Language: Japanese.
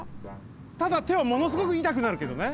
ただてはものすごくいたくなるけどね。